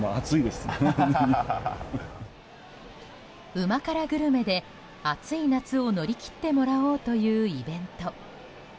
うま辛グルメで暑い夏を乗り切ってもらおうというイベント。